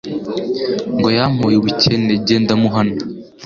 Ngo yampoye ubukene, Jye ndamuhana,